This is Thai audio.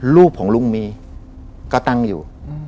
รูปของลุงมีก็ตั้งอยู่